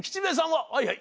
はいはい。